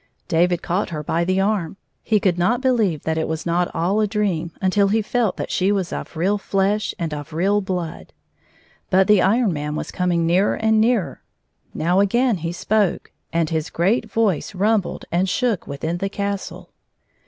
David caught her hy the arm. He could not heheve that it was not all a dream until he felt that she was of real flesh and of real hlood. But the Iron Man was coming nearer and nearer. Now again he spoke, and his great voice rumhled and shook within the castle.